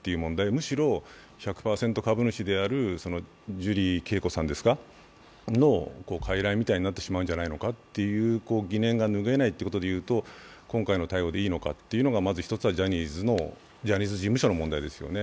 むしろ１００％株主であるジュリー景子さんのかいらいみたいになってしまうのではないかという疑念が拭えない点からいうと、今回の対応でいいのかっていうのは一つ、ジャニーズ事務所の問題ですよね。